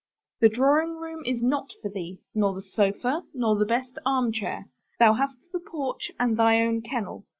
The drawing room rug is not for thee, nor the sofa, nor the best armchair. Thou hast the porch and thy own kennel.